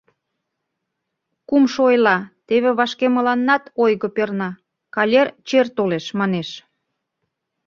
Кумшо ойла: «Теве вашке мыланнат ойго перна: калер чер толеш», — манеш.